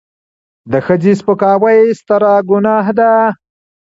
د ښځې سپکاوی ستره ګناه ده.